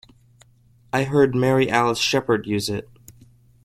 I heard Mary Alice Sheppard use it.